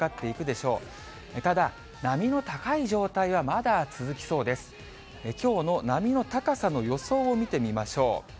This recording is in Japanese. きょうの波の高さの予想を見てみましょう。